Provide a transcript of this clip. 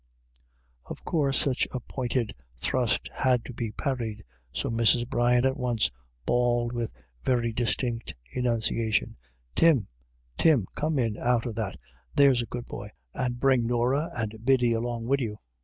Of course such a pointed thrust had to be parried, so Mrs. Brian at once bawled with very distinct enunciation :" Tim, Tim, come in out of that, there's a good boy, and bring Norah and Biddy along wid you.